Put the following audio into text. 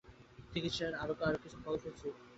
চিকিৎসা করেও আর ফলপ্রসূ কিছু হবে না।